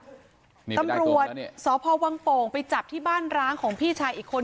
แต่มีทางกลัวเงินแล้วนี่ตำรวจสอบพลวงโป่งไปจับที่บ้านร้างของพี่ชายอีกคน